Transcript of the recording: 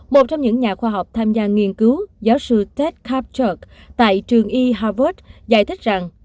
một trong những nhà khoa học tham gia nghiên cứu giáo sư tet capters tại trường y harvard giải thích rằng